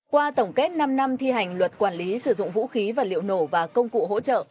qua tổng kết năm năm thi hành luật quản lý sử dụng vũ khí và liệu nổ và công cụ hỗ trợ